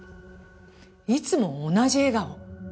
いつも同じ笑顔。